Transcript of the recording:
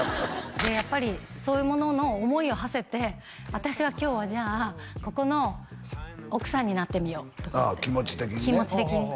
やっぱりそういうものの思いをはせて私は今日はじゃあここの奥さんになってみようとかってああ気持ち的にね